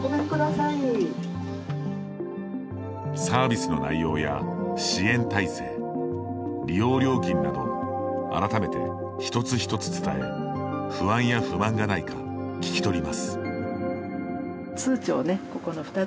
サービスの内容や支援体制利用料金などを改めて一つ一つ伝え不安や不満がないか聞き取ります。